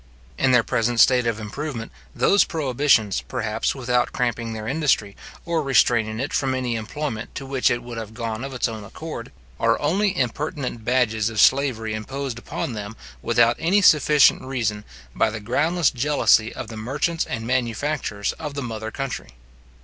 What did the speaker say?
In their present state of improvement, those prohibitions, perhaps, without cramping their industry, or restraining it from any employment to which it would have gone of its own accord, are only impertinent badges of slavery imposed upon them, without any sufficient reason, by the groundless jealousy of the merchants and manufacturers of the mother country.